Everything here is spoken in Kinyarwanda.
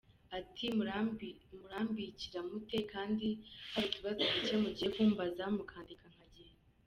Ati “Murambikira mute kandi hari utubazo duke mugiye kumbaza mukandeka nkagenda?